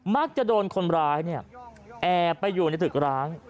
มักจะโดนคนร้ายเนี่ยแอบไปอยู่ในตึกร้าง